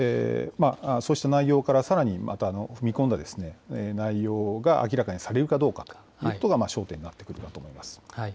そうした内容からさらにまた踏み込んだ内容が明らかにされるかどうかというところが焦点になってくるかと思います。